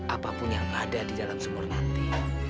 apapun yang ada di dalam sumur nanti